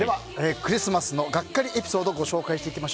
クリスマスのガッカリエピソード紹介します。